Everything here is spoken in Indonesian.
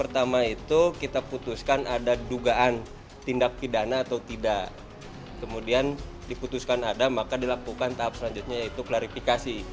tindak pidana atau tidak kemudian diputuskan ada maka dilakukan tahap selanjutnya yaitu klarifikasi